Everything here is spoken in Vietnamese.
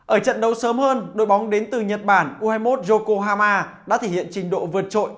ở trận đấu sớm hơn đội bóng đến từ nhật bản u hai mươi một joko hama đã thể hiện trình độ vượt trội